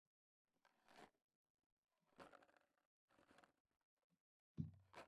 Учурда мыйзам долбоору мамдумада алдын ала кароодо жатат.